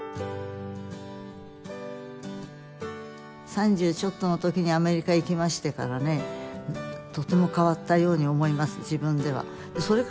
三十ちょっとの時にアメリカ行きましてからねとても変わったように思います